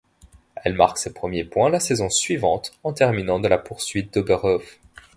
Elle marque ses premiers points la saison suivante en terminant de la poursuite d'Oberhof.